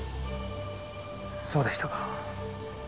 そうでしたか。